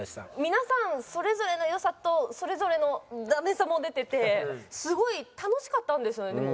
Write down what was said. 皆さんそれぞれの良さとそれぞれのダメさも出ててすごい楽しかったんですよねでも。